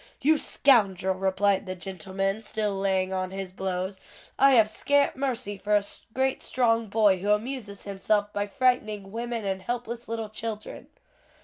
"You scoundrel!" replied the gentleman, still laying on his blows, "I have scant mercy for a great strong boy who amuses himself by frightening women and helpless little children."